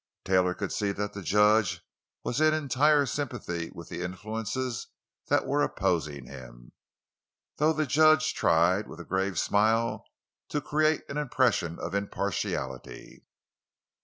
Taylor could see that the judge was in entire sympathy with the influences that were opposing him, though the judge tried, with a grave smile, to create an impression of impartiality.